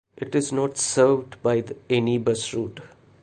It is not served by any bus route.